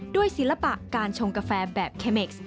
ศิลปะการชงกาแฟแบบเคเม็กซ์